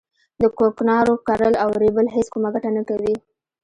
د کوکنارو کرل او رېبل هیڅ کومه ګټه نه کوي